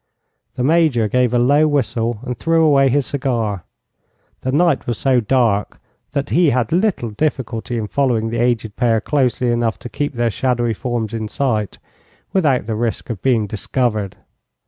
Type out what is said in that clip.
The Major gave a low whistle and threw away his cigar. The night was so dark that he had little difficulty in following the aged pair closely enough to keep their shadowy forms in sight, without the risk of being discovered.